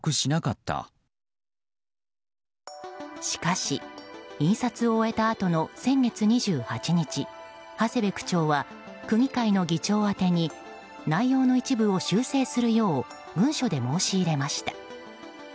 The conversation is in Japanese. しかし、印刷を終えたあとの先月２８日長谷部区長は区議会の議長宛てに内容の一部を修正するよう文書で申し入れました。